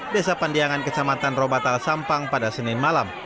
desa pandiangan kecamatan robatal sampang pada senin malam